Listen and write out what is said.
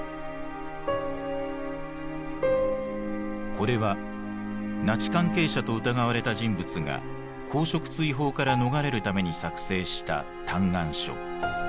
これはナチ関係者と疑われた人物が公職追放から逃れるために作成した嘆願書。